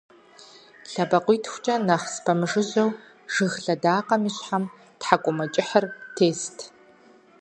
ЛъэбакъуитхукӀэ нэхъ спэмыжыжьэу, жыг лъэдакъэм и щхьэм тхьэкӀумэкӀыхьыр тест.